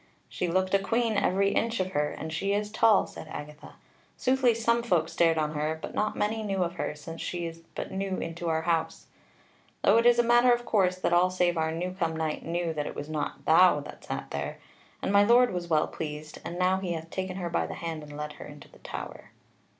"She looked a queen, every inch of her, and she is tall," said Agatha: "soothly some folk stared on her, but not many knew of her, since she is but new into our house. Though it is a matter of course that all save our new come knight knew that it was not thou that sat there. And my Lord was well pleased, and now he hath taken her by the hand and led her into the Tower."